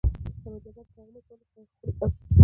مجدداً په هغه مزد باندې خوري او څښي